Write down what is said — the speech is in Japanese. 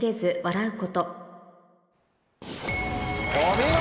お見事！